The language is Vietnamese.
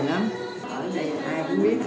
nói ký ai tụi nó